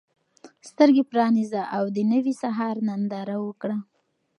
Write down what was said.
سترګې پرانیزه او د نوي سهار ننداره وکړه.